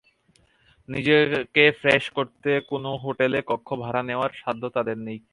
নিজেকে ফ্রেশ করতে কোনো হোটেলে কক্ষ ভাড়া নেওয়ার সাধ্য তাঁদের নেই।